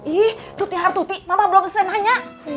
ih tuti hartuti mama belum selesai nanya